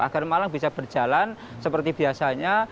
agar malang bisa berjalan seperti biasanya